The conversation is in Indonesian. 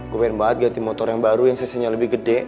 gue pengen banget ganti motor yang baru yang sisi lebih gede